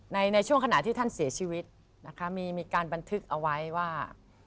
ในช่วงขณะที่ท่านเสียชีวิตนะคะมีการบันทึกเอาไว้ว่า